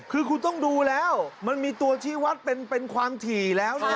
คือคุณต้องดูแล้วมันมีตัวชี้วัดเป็นความถี่แล้วนะ